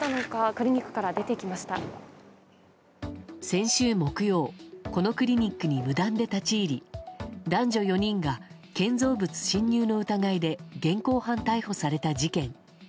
先週木曜このクリニックに無断で立ち入り男女４人が建造物侵入の疑いで現行犯逮捕された事件。